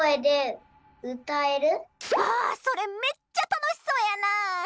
あっそれめっちゃたのしそうやな！